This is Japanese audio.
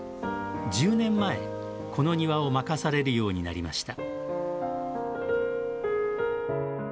１０年前、この庭を任されるようになりました。